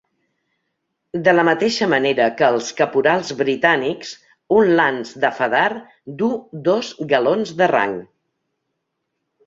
De la mateixa manera que els caporals britànics, un lance daffadar duu dos galons de rang.